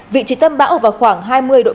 vị trí tâm bão ở vào khoảng hai mươi đội